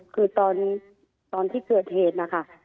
คือตอนที่เกิดเหตุนะคะ